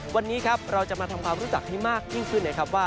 วันนี้ครับเราจะมาทำความรู้จักให้มากยิ่งขึ้นนะครับว่า